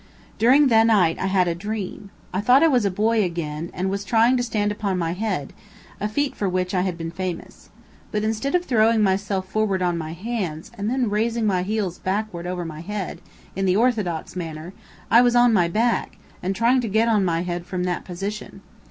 During the night I had a dream. I thought I was a boy again, and was trying to stand upon my head, a feat for which I had been famous. But instead of throwing myself forward on my hands, and then raising my heels backward over my head, in the orthodox manner, I was on my back, and trying to get on my head from that position.